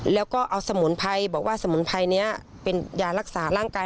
แล้วก็เอาสมุนไพรบอกว่าสมุนไพรนี้เป็นยารักษาร่างกาย